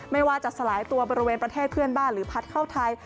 ไม่ว่าจะสลายตัวบริเวณประเทศเพื่อนบ้านหรือพัดเข้าไทย